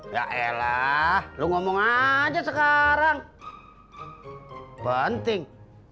ya ella lu ngomong aja sekarang penting